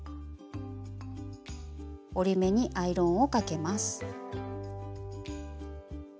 折り目にアイロンをかけます。